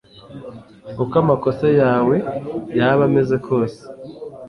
uko amakosa yawe yaba ameze kose…